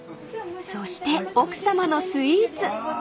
［そして奥さまのスイーツ］